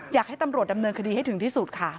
อยากให้ตำรวจดำเนินคดีให้ถึงที่สุดค่ะ